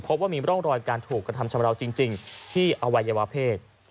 พบว่ามีร่องรอยการถูกกระทำชำราวจริงที่อวัยวะเพศ